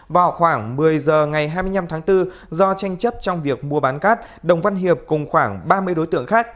vào khoảng một mươi giờ ngày hai mươi năm tháng bốn do tranh chấp trong việc mua bán cát đồng văn hiệp cùng khoảng ba mươi đối tượng khác